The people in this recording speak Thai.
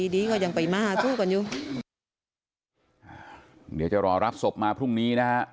เดี๋ยวจะรอรับศพมาพรุ่งนี้นะฮะ